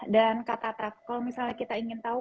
dan kak tata kalau misalnya kita ingin tahu